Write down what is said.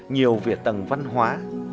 nhiều vỉa tầng văn hóa